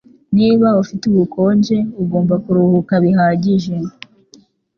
Niba ufite ubukonje, ugomba kuruhuka bihagije.